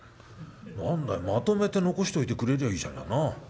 何だよまとめて残しといてくれりゃいいじゃないなあ。